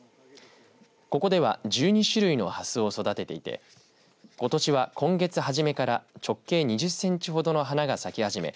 ここでは１２種類のハスを育てていてことしは今月初めから直径２０センチほどの花が咲き始め